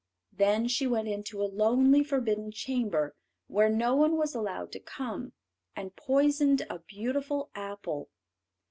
Then she went into a lonely forbidden chamber where no one was allowed to come, and poisoned a beautiful apple.